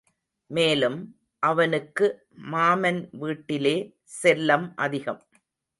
மேலும், அவனுக்கு மாமன் வீட்டிலே செல்லம் அதிகம்.